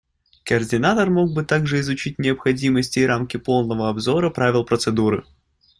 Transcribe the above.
Координатор мог бы также изучить необходимость и рамки полного обзора правил процедуры.